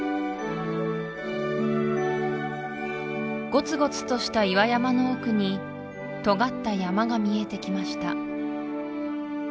ごつごつとした岩山の奥にとがった山が見えてきました